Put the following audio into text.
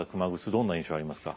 どんな印象ありますか？